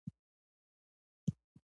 د اوسني عربستان بنسټګر ګڼلی کېږي.